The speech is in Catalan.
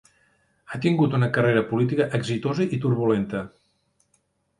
Ha tingut una carrera política exitosa i turbulenta.